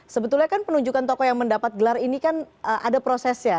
sebetulnya kan penunjukan tokoh yang mendapat gelar ini kan ada prosesnya